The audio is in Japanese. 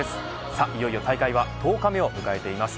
さあいよいよと大会は１０日目を迎えてます。